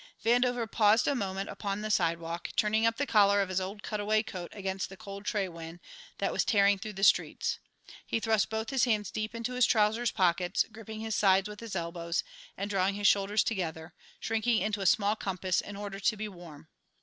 Vandover paused a moment upon the sidewalk, turning up the collar of his old cutaway coat against the cold trade wind that was tearing through the streets; he thrust both his hands deep into his trousers pockets, gripping his sides with his elbows and drawing his shoulders together, shrinking into a small compass in order to be warm.